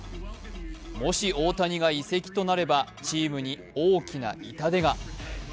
もし大谷が移籍となればチームに大きな痛手が。